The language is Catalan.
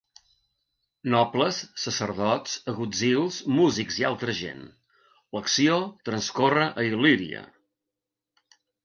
Nobles, sacerdots, agutzils, músics i altra gent. L’acció transcorre a Il·líria.